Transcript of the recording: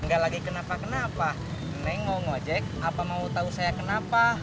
gak lagi kenapa kenapa nih ngomong ojek apa mau tau saya kenapa